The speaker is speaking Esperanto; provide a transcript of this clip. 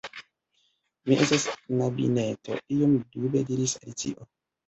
"Mi estas... knabineto," iom dube diris Alicio